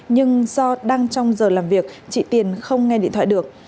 nhưng do đang trong giờ làm việc chị tiền không nghe điện thoại được